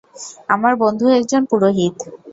আমার বন্ধু একজন পুরোহিত।